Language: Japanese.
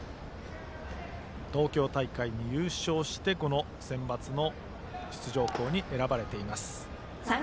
東京大会で優勝してこのセンバツの出場校に選ばれています。